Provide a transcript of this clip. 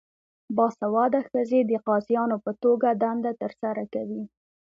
باسواده ښځې د قاضیانو په توګه دنده ترسره کوي.